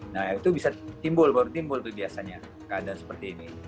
nah itu bisa timbul baru timbul tuh biasanya keadaan seperti ini